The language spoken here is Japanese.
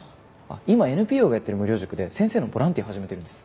今ＮＰＯがやってる無料塾で先生のボランティア始めてるんです。